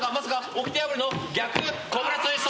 おきて破りの逆コブラツイスト！